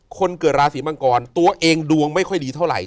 คนเกิดราศีมังกรตัวเองดวงไม่ค่อยดีเท่าไหร